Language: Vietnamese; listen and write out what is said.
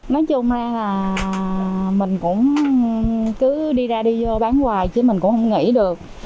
nói chung là mình cũng cứ đi ra đi vô bán hoài chứ mình cũng không nghỉ được